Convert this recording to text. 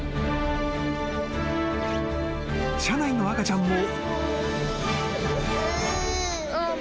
［車内の赤ちゃんも］